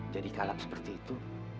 jadi kalap seperti itu